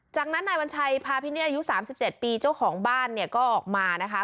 จากนั้นนายวัญชัยพาพินิษฐ์อายุ๓๗ปีเจ้าของบ้านเนี่ยก็ออกมานะคะ